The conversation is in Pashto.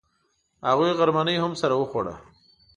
هغوی غرمنۍ هم سره وخوړه.